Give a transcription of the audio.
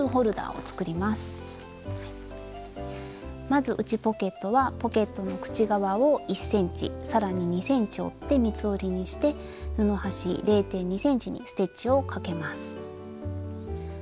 まず内ポケットはポケットの口側を１ｃｍ更に２ｃｍ折って三つ折りにして布端０．２ｃｍにステッチをかけます。